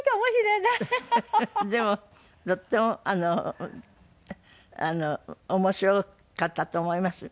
でもとってもあの面白かったと思いますよ。